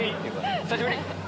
久しぶり！